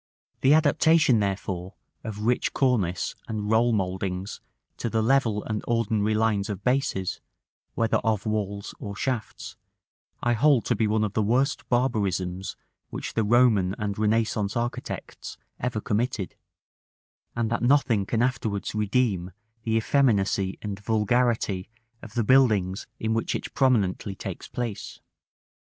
The adaptation, therefore, of rich cornice and roll mouldings to the level and ordinary lines of bases, whether of walls or shafts, I hold to be one of the worst barbarisms which the Roman and Renaissance architects ever committed; and that nothing can afterwards redeem the effeminacy and vulgarity of the buildings in which it prominently takes place.